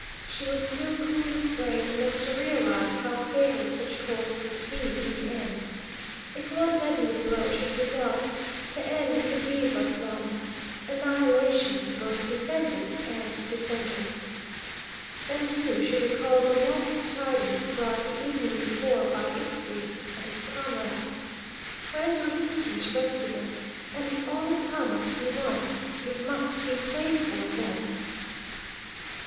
She was still cool of brain enough to realise how fatal such course would be in the end. If one deadly blow should be dealt, the end could be but one, annihilation to both defended and defenders. Then, too, she recalled the wondrous tidings brought the evening before by Ixtli and his comrade. Friends were seeking to rescue them, and if only time might be won it must be played for, then!